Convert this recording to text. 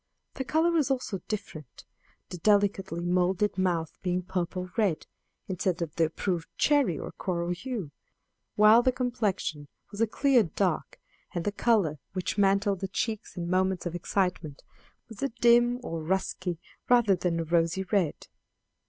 The color was also different, the delicately molded mouth being purple red instead of the approved cherry or coral hue; while the complexion was a clear dark, and the color, which mantled the cheeks in moments of excitement, was a dim or dusky rather than a rosy red.